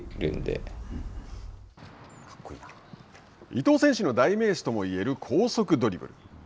伊東選手の代名詞ともいえる高速ドリブル。